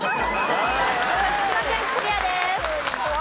徳島県クリアです。